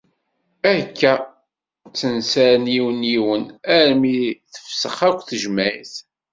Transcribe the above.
Akka, ttensaren yiwen yiwen armi tefsex akk tejmaɛt.